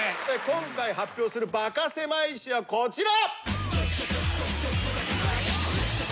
今回発表するバカせまい史はこちら。